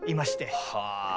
はあ。